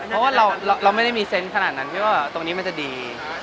เพราะว่าเราไม่ได้มีเซนต์ขนาดนั้นพี่ว่าตรงนี้มันจะดี